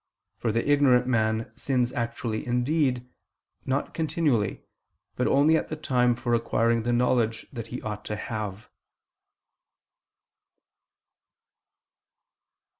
For the ignorant man sins actually indeed, not continually, but only at the time for acquiring the knowledge that he ought to have.